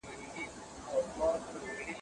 د نجلۍ د مور اخلاق څنګه معلومولای سو؟